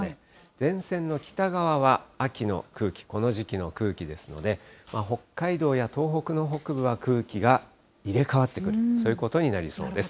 前線の北側は、秋の空気、この時期の空気ですので、北海道や東北の北部は空気が入れ替わってくる、そういうことになりそうです。